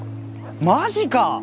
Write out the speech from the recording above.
マジか！